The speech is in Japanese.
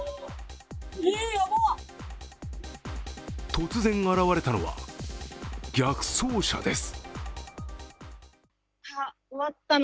突然現れたのは逆走車です。